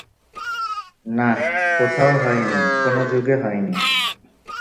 না, কোথাও হয়নি, কোন যুগে হয়নি।